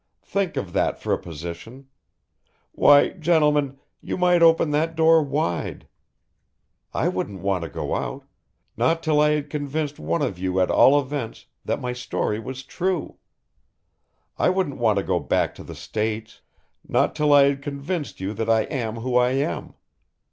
Think of that for a position. Why, gentlemen, you might open that door wide. I wouldn't want to go out, not till I had convinced one of you at all events that my story was true. I wouldn't want to go back to the States, not till I had convinced you that I am who I am.